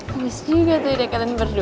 bagus juga tuh deketin berdua